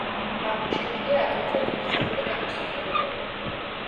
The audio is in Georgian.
აღმოჩენილია აგრეთვე ფერწერული გამოსახულებები.